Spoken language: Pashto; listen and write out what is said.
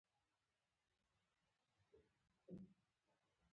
الله تعالی انسان پلټونکی او متجسس پیدا کړی دی، د معلوماتو راټولولو هڅه کوي.